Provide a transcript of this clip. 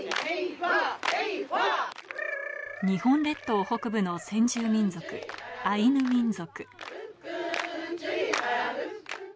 日本列島北部の先住民族アイヌ民族